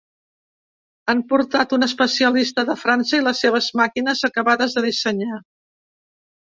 Han portat un especialista de França i les seves màquines acabades de dissenyar.